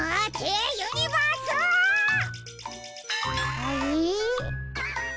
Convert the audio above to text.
あれ？